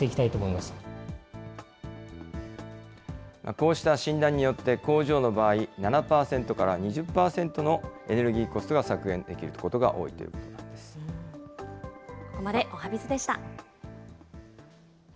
こうした診断によって、工場の場合、７％から２０％のエネルギーコストが削減できることが多いというここまでおはＢｉｚでした。